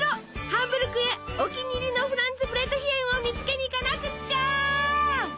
ハンブルクへお気に入りのフランツブレートヒェンを見つけに行かなくっちゃ！